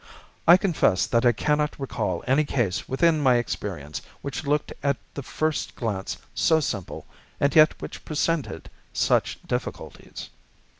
I confess that I cannot recall any case within my experience which looked at the first glance so simple and yet which presented such difficulties."